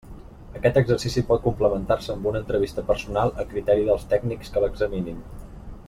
Aquest exercici pot complementar-se amb una entrevista personal, a criteri dels tècnics que l'examinin.